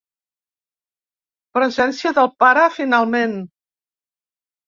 Presència del pare, finalment.